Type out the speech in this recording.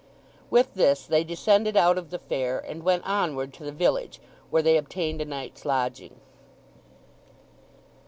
With this they descended out of the fair, and went onward to the village, where they obtained a night's lodging.